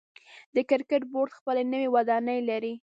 د کرکټ بورډ خپل نوی ودانۍ لري.